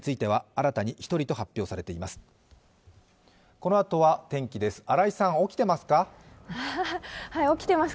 このあとは天気です。